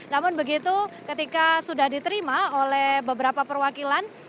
namun begitu ketika sudah diterima oleh beberapa perwakilan